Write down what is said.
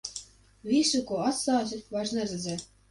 Visu, ko atstāsi, vairs neredzēt.